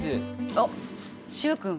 おっ習君！